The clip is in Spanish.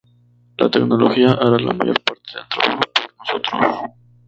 La tecnología hará la mayor parte del trabajo por nosotros.